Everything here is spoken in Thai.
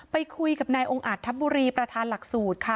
ไปคุยกับนายองค์อาจทัพบุรีประธานหลักสูตรค่ะ